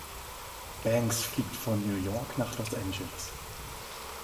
Banks fliegt von New York nach Los Angeles.